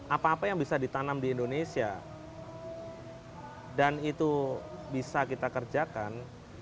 apa apa yang bisa ditanam di indonesia dan itu bisa kita kerjakan